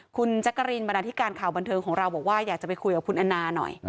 คุณแจ๊กกะรีนบรรดาธิการข่าวบันเทิงของเราบอกว่าอยากจะไปคุยกับคุณแอนนาหน่อย